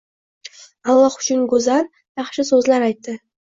Alloh uchun go'zal, yaxshi so'zlar aytdi.